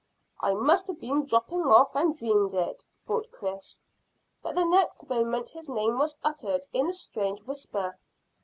"I must have been dropping off and dreamed it," thought Chris, but the next moment his name was uttered in a strange whisper.